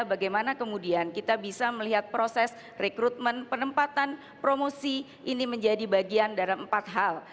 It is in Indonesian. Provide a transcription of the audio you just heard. bagaimana kemudian kita bisa melihat proses rekrutmen penempatan promosi ini menjadi bagian dari empat hal